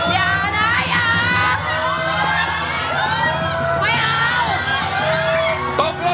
อย่านะอย่านะอย่าไม่เอาตกเรื่องว่า